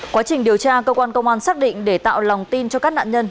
quá trình điều tra cơ quan công an xác định để tạo lòng tin cho các nạn nhân